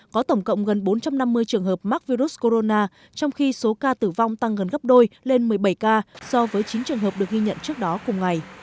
có tổng cộng gần bốn trăm năm mươi trường hợp mắc virus corona trong khi số ca tử vong tăng gần gấp đôi lên một mươi bảy ca so với chín trường hợp được ghi nhận trước đó cùng ngày